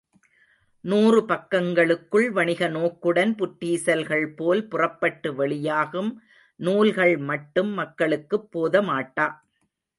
நூறு பக்கங்களுக்குள் வணிக நோக்குடன் புற்றீசல்கள் போல் புறப்பட்டு வெளியாகும் நூல்கள் மட்டும் மக்களுக்குப் போதமாட்டா.